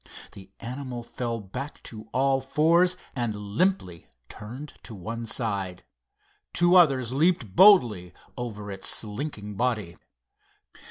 The animal fell back to all fours and limply turned to one side. Two others leaped boldly over its slinking body.